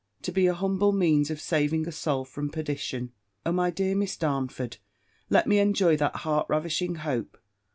To be an humble means of saving a soul from perdition! O my dear Miss Darnford, let me enjoy that heart ravishing hope!